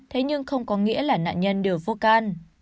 thế nhưng không có nghĩa là nạn nhân đều vô can